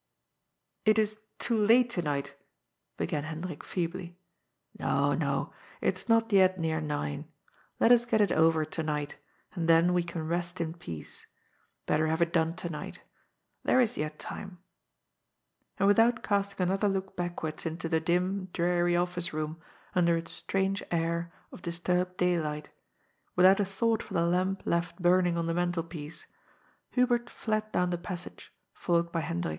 " It is too late to night," began Hendrik feebly. " No, no, it is not yet near nine. Let us get it over to night, and then we can rest in peace. Better have it done to night. There is yet time." And without casting another look backwards into the dim, dreary office room under its strange air of disturbed daylight, without a thought for the lamp left burning on the mantelpiece, Hubert fled down the passage followed by Hendrik.